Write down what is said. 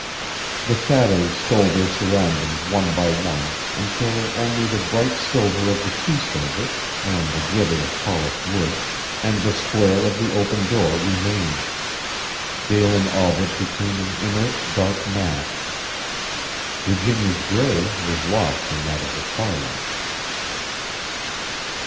The shadows stole their surroundings one by one, until only the bright silver of the tea service, and the glitter of polished wood, and the square of the open door remained. Galen Albret became an inert dark mass. Virginia's gray was lost in that of the twilight.